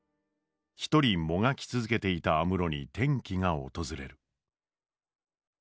一人もがき続けていた安室に転機が訪れる。